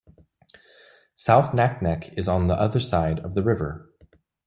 South Naknek is on the other side of the river.